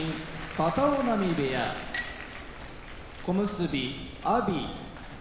片男波部屋小結・阿炎